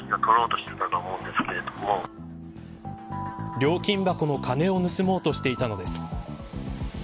料金箱の金を盗もうとしていたのです。